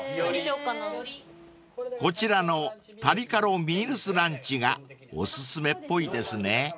［こちらのタリカロミールスランチがお薦めっぽいですね］